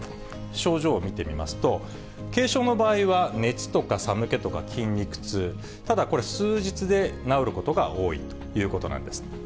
症状を見てみますと、軽症の場合は熱とか寒気とか筋肉痛、ただ、これ、数日で治ることが多いということなんです。